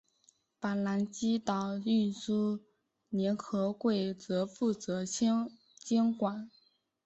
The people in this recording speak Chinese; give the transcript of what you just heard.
法兰西岛运输联合会则负责监管。